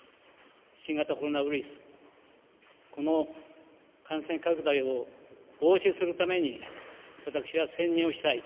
新型コロナウイルス、この感染拡大を防止するために私は専念をしたい。